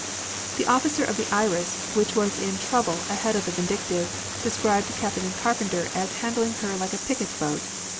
The officer of the Iris, which was in trouble ahead of the Vindictive, described Captain Carpenter as handling her like a picket boat.